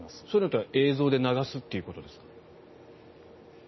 それは映像で流すということですか？